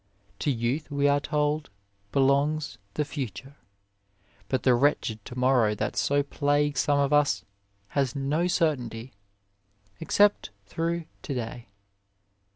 To youth, we are told, belongs the future, but the wretched to morrow that so plagues some of us has no 29 A WAY certainty, except through to day.